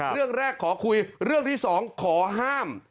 เรื่องแรกขอคุยเรื่องที่สองขอห้าม